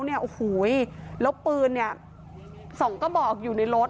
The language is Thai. แล้วปือนี่ส่งกระบอกอยู่ในรถ